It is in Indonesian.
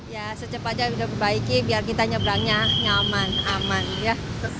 ya secepatnya sudah perbaiki biar kita nyebrangnya nyaman aman ya